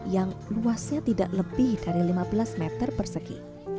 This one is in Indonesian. yang luasnya tidak lebih dari lima belas meter persegi